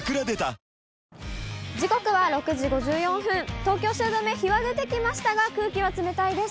東京・汐留、日は出てきましたが、空気は冷たいです。